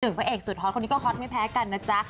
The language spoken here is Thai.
พระเอกสุดฮอตคนนี้ก็ฮอตไม่แพ้กันนะจ๊ะ